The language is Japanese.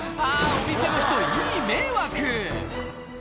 お店の人いい迷惑！